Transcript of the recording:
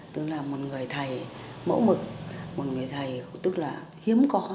tức là một người thầy mẫu mực một người thầy tức là hiếm có